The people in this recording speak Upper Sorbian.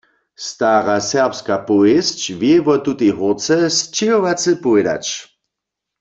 Stara serbska powěsć wě wo tutej hórce sćěhowace powědać.